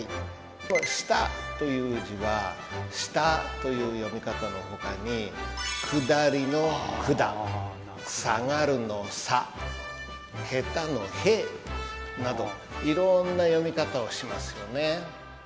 この「下」という字は「した」という読み方のほかに「下り」の「くだ」「下がる」の「さ」「下手」の「へ」などいろんな読み方をしますよね。